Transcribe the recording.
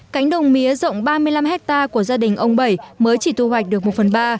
cánh đồng mía rộng ba mươi năm hectare của gia đình ông bảy mới chỉ thu hoạch được một phần ba